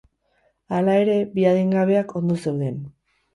Hala ere, bi adingabeak ondo zeuden.